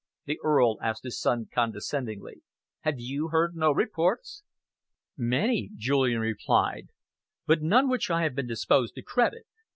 the Earl asked his son condescendingly. "Have you heard no reports?" "Many," Julian replied, "but none which I have been disposed to credit.